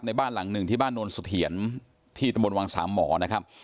บ้านหลังหนึ่งที่บ้านโนนสะเทียนที่ตะบนวังสามหมอนะครับ